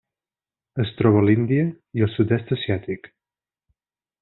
Es troba a l'Índia i el Sud-est asiàtic.